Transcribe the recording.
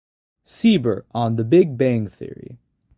Siebert on "The Big Bang Theory".